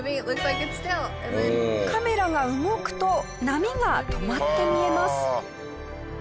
カメラが動くと波が止まって見えます。